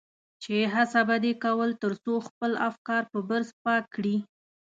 چې هڅه به دې کول تر څو خپل افکار په برس پاک کړي.